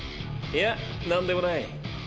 いやなんでもない。